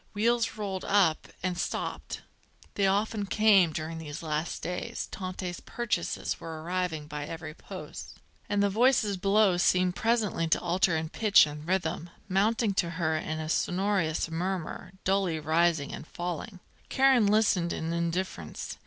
Wheels rolled up and stopped. They often came, during these last days; Tante's purchases were arriving by every post. And the voices below seemed presently to alter in pitch and rhythm, mounting to her in a sonorous murmur, dully rising and falling. Karen listened in indifference.